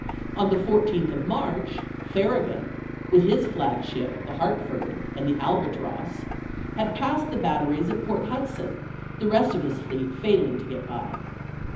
On the 14th of March, Farragut, with his flag ship, the Hartford, and the Albatross, had passed the batteries at Port Hudson, the rest of his fleet failing to get by.